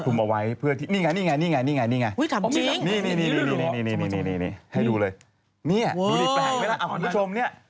ดูดิแปลกไหมละคุณผู้ชมเนี่ย